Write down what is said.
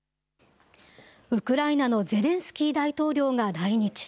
ウクライナのゼレンスキー大統領が来日。